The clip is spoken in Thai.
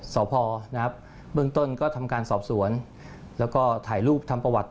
สอบพอนะครับเบื้องต้นก็ทำการสอบสวนแล้วก็ถ่ายรูปทำประวัติ